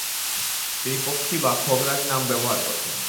তিনি পক্ষী বা খগরাজ নাম ব্যবহার করতেন।